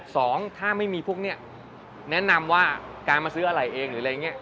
สองถ้าไม่มีพวกนี้แนะนำว่าการมาซื้ออะไรเองหรืออะไรอย่างนี้